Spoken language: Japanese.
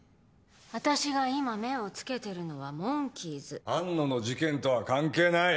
私が今目をつけてるのはモンキーズ安野の事件とは関係ない！